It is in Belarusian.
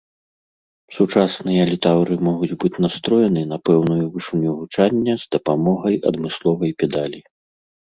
Сучасныя літаўры могуць быць настроены на пэўную вышыню гучання з дапамогай адмысловай педалі.